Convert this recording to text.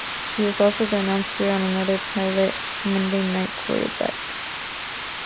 He was also the announcer on another pilot, "Monday Night Quarterback".